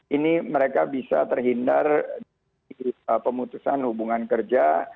ini mereka bisa terhindar dari pemutusan hubungan kerja